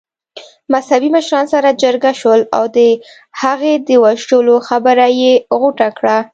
مذهبي مشران سره جرګه شول او د هغې د وژلو خبره يې غوټه کړه.